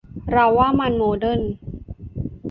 เราว่ามันโมเดิร์น